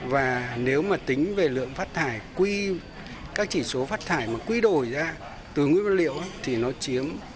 và nếu mà tính về lượng phát thải các chỉ số phát thải mà quy đổi ra từ nguyên vật liệu thì nó chiếm